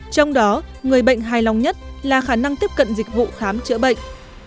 trong đó người bệnh hài lòng nhất là khả năng tiếp cận dịch vụ khám chữa bệnh